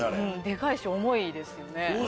でかいし重いですよね。